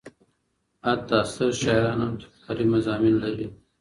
حتی ستر شاعران هم تکراري مضامین لري.